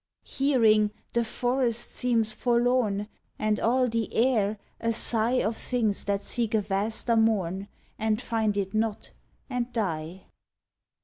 Hearing, the forest seems forlorn And all the air a sigh Of things that seek a vaster mom, And find it not, and die.